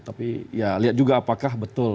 tapi ya lihat juga apakah betul